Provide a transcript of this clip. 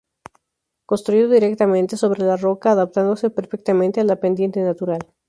Construido directamente sobre la roca, adaptándose perfectamente a la pendiente natural.